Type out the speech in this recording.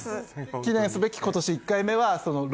記念すべき今年１回目は。